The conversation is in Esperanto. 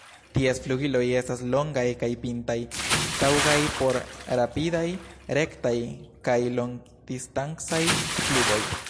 Ties flugiloj estas longaj kaj pintaj, taŭgaj por rapidaj, rektaj kaj longdistancaj flugoj.